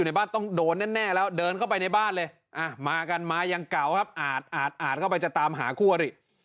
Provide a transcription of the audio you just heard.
หายเส้นเยอะพลิกอะไรโจดอยู่หน้าบ้าน